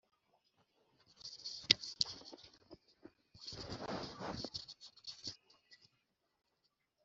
Icyakora yagombaga kubanza kurangiza igifungo yari yarakatiwe bitewe n icyaha yari yarakoze mbere